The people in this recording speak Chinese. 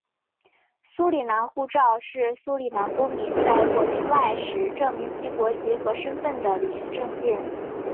苏里南护照是苏里南公民在国境外时证明其国籍和身份的旅行证件。